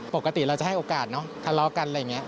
ปกติเราจะให้โอกาสเนอะทะเลาะกันอะไรอย่างนี้